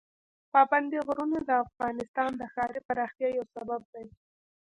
پابندي غرونه د افغانستان د ښاري پراختیا یو سبب دی.